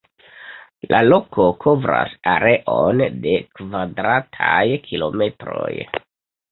La loko kovras areon de kvadrataj kilometroj.